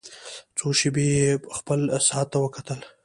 څو شېبې يې خپل ساعت ته وکتل.